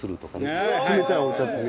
冷たいお茶漬け。